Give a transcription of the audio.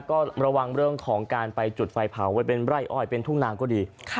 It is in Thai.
ก็ระวังเรื่องของการไปจุดไฟเผาไว้เป็นไร่อ้อยเป็นทุ่งนางก็ดี